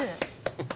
フフ。